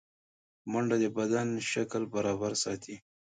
منډه د بدن شکل برابر ساتي